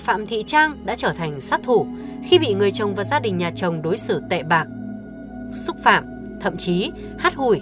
phạm thị trang nhận mức án tám năm tù giam cho tội ác của mình nhưng được hoãn thi hành án do đang mang thai đứa con thứ hai